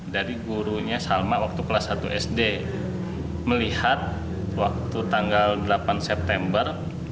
dari gurunya salma waktu kelas satu sd melihat waktu tanggal delapan september